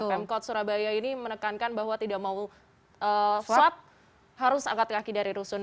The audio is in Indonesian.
pemkot surabaya ini menekankan bahwa tidak mau swab harus angkat kaki dari rusun